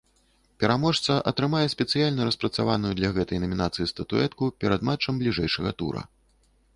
Пераможца атрымае спецыяльна распрацаваную для гэтай намінацыі статуэтку перад матчам бліжэйшага тура.